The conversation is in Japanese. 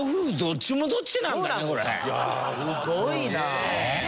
すごいな。